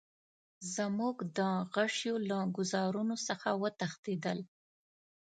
زموږ د غشیو له ګوزارونو څخه وتښتېدل.